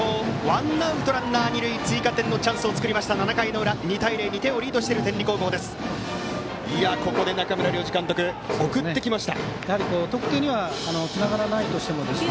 ワンアウトランナー、二塁と追加点のチャンスを作った７回の裏２対０、２点リードしている天理高校です。